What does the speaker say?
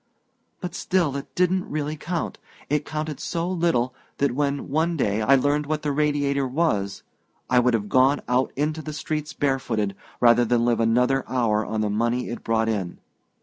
But still it didn't really count it counted so little that when, one day, I learned what the Radiator was, I would have gone out into the streets barefooted rather than live another hour on the money it brought in...."